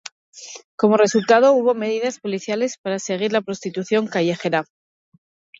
Como resultado hubo medidas policiales para seguir la prostitución callejera.